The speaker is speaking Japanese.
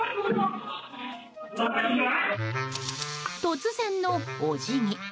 突然のお辞儀。